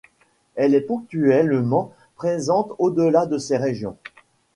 Elle est ponctuellement présente au-delà de ces régions.